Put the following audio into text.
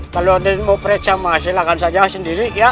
kalau aden mau periksa silahkan saja sendiri